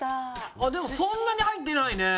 あっでもそんなに入ってないね。